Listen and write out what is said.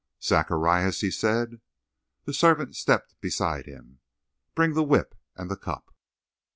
"Zacharias," he said. The servant stepped beside him. "Bring the whip and the cup."